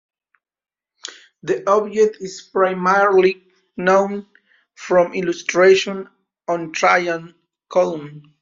The object is primarily known from illustrations on Trajan's Column.